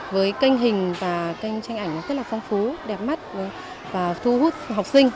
với kênh hình và kênh tranh ảnh rất là phong phú đẹp mắt và thu hút học sinh